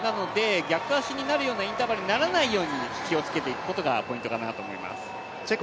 なので逆足になるようなインターバルにならないように気をつけていくことがポイントかなと思います。